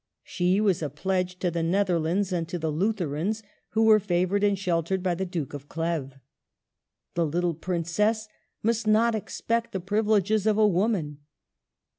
She was a pledge to the Nether lands, and to the Lutherans who were favored and sheltered by the Duke of Cleves. The little princess must not expect the privileges of a woman.